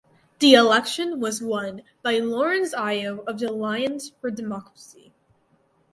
The election was won by Lawrence Ayo of the Alliance for Democracy.